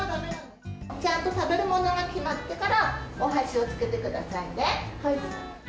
ちゃんと食べるものが決まってから、お箸をつけてくださいね。